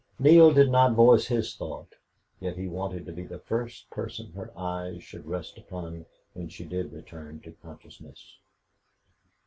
Neale did not voice his thought, yet he wanted to be the first person her eyes should rest upon when she did return to consciousness.